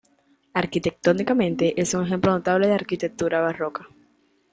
Arquitectónicamente, es un ejemplo notable de arquitectura barroca.